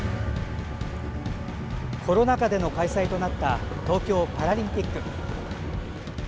コロナ禍での開催となった東京パラリンピック。